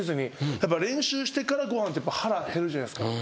やっぱ練習してからご飯って腹減るじゃないですか。